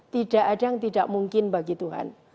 tidak ada yang tidak mungkin